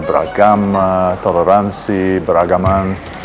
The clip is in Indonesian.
beragama toleransi beragaman